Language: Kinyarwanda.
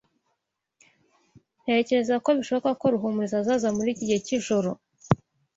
Ntekereza ko bishoboka ko Ruhumuriza azaza muri iki gihe cyijoro.